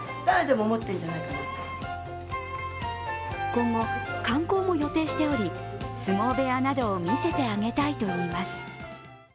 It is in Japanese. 今後、観光も予定しており相撲部屋などを見せてあげたいといいます。